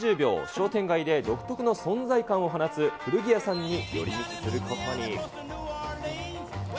商店街で独特の存在感を放つ古着屋さんに寄り道することに。